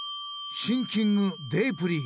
シンキングデープリー。